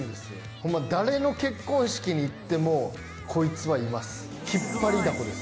ほんま誰の結婚式に行っても、こいつはいます。